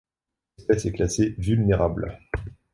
L'espèce est classée vulnérable.